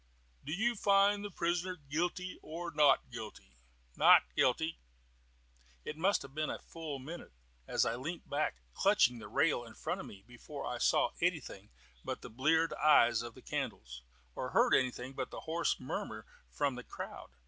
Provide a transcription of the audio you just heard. "Do you find the prisoner guilty or not guilty?" "Not guilty." It must have been full a minute, as I leant back clutching the rail in front of me, before I saw anything but the bleared eyes of the candles, or heard anything but a hoarse murmur from the crowd.